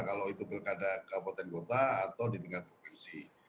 kalau itu pilkada kabupaten kota atau di tingkat provinsi